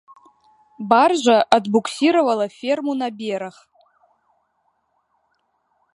Баржа адбуксіравала ферму на бераг.